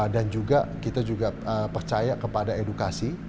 dan juga kita juga percaya kepada edukasi